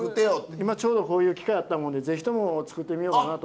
今ちょうどこういう機会あったもんでぜひとも作ってみようかなと。